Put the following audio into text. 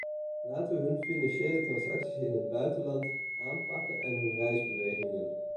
Laten we hun financiële transacties in het buitenland aanpakken en hun reisbewegingen.